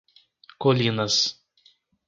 Colinas